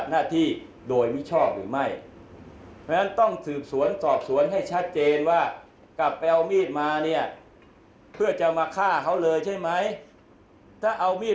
นี่คือความเป็นธรรม